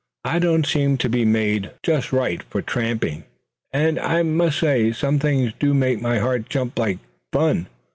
I don't seem to be made just right for tramping. And I must say some things do make my heart jump like fun.